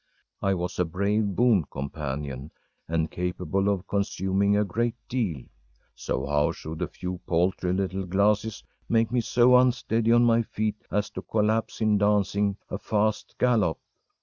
I was a brave boon companion, and capable of consuming a great deal. So how should a few paltry little glasses make me so unsteady on my feet as to collapse in dancing a fast gallop?